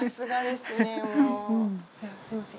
すみません。